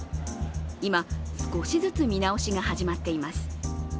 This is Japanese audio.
今、少しずつ見直しが始まっています。